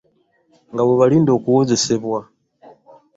Nga bwe balinda okuwozesebwa.